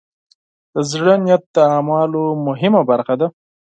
د زړۀ نیت د اعمالو مهمه برخه ده.